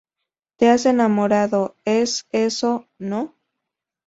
te has enamorado, ¿ es eso, no?